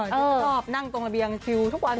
ชอบนั่งตรงระเบียงคิวทุกวัน